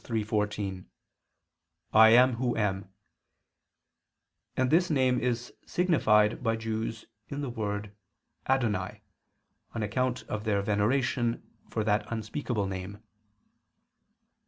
3:14): "I am Who am"; and this name is signified by Jews in the word "Adonai" on account of their veneration for that unspeakable name.